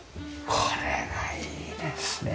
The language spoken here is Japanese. これがいいですね。